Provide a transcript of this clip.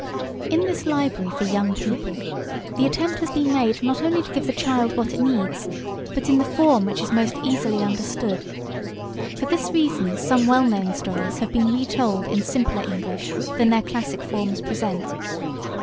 In this library for young people the attempt has been made not only to give the child what it needs but in the form which is most easily understood. For this reason some well known stories have been retold in simpler English than their classic forms present.